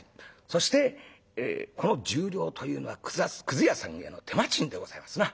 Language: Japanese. そしてこの１０両というのはくず屋さんへの手間賃でございますな。